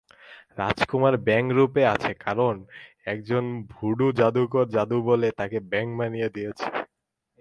রাজকুমার ব্যাঙ রুপে আছে কারণ একজন ভুডু জাদুকর জাদুবলে তাকে ব্যাঙ বানিয়ে দিয়েছে।